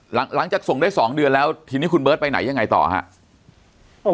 หลังจากส่งได้สองเดือนแล้วทีนี้คุณเบิร์ตไปไหนยังไงต่อฮะ